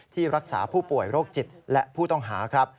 ที่รักษาผู้ป่วยโรคจิตและผู้ต้องหาครับ